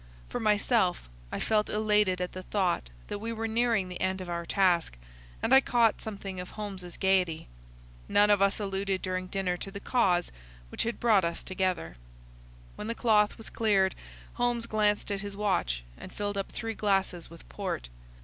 For myself, I felt elated at the thought that we were nearing the end of our task, and I caught something of Holmes's gaiety. None of us alluded during dinner to the cause which had brought us together. When the cloth was cleared, Holmes glanced at his watch, and filled up three glasses with port.